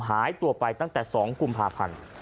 หายตัวไปตั้งแต่๒กุมภาพันธ์